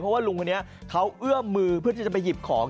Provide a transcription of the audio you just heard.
เพราะว่าลุงคนนี้เขาเอื้อมมือเพื่อที่จะไปหยิบของ